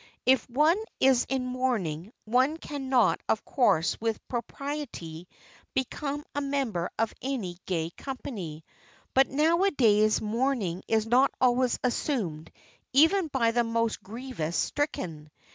If one is in mourning one can not of course with propriety become a member of any gay company, but nowadays mourning is not always assumed even by the most grievously stricken.